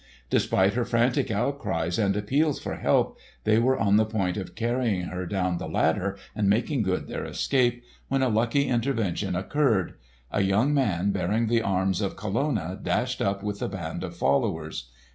Despite her frantic outcries and appeals for help, they were on the point of carrying her down the ladder and making good their escape, when a lucky intervention occurred. A young man bearing the arms of Colonna dashed up with a band of followers.